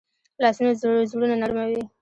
لاسونه زړونه نرموي